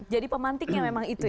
jadi pemantiknya memang itu ya